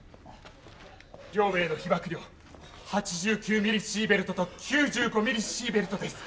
両名の被ばく量８９ミリシーベルトと９５ミリシーベルトです。